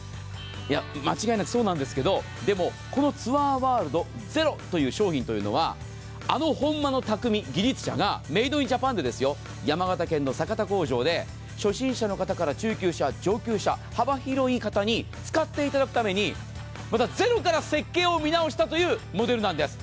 間違いなくそうなんですけどこのツアーワールドゼロという商品というのはあの本間の匠、技術者が山形県の酒田工場で初心者の方から中級者、上級者、幅広い方に使っていただくためにゼロから設計を見直したというモデルなんです。